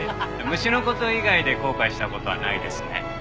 虫の事以外で後悔した事はないですね。